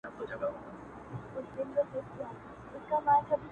ته به پر ګرځې د وطن هره کوڅه به ستاوي!